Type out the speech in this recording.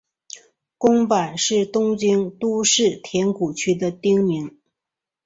宫坂是东京都世田谷区的町名。